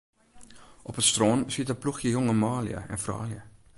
Op it strân siet in ploechje jonge manlju en froulju.